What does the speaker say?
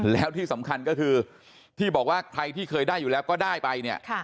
แล้วที่สำคัญก็คือที่บอกว่าใครที่เคยได้อยู่แล้วก็ได้ไปเนี่ย